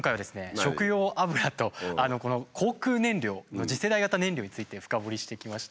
食用油と航空燃料の次世代型燃料について深掘りしてきました。